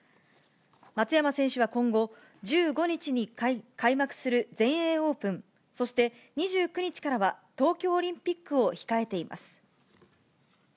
松山選手は今後、１５日に開幕する全英オープン、そして２９日からは東京オリンピックを控えています。